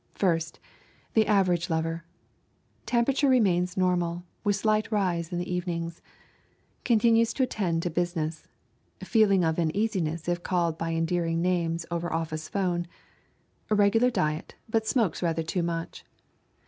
First. The average lover. Temperature remains normal, with slight rise in the evenings. Continues to attend to business. Feeling of uneasiness if called by endearing names over office 'phone. Regular diet, but smokes rather too much.